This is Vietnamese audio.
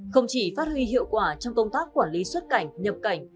không chỉ phát huy hiệu quả trong công tác quản lý xuất cảnh nhập cảnh